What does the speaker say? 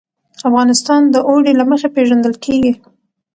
افغانستان د اوړي له مخې پېژندل کېږي.